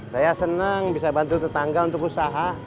saya senang bisa bantu tetangga untuk usaha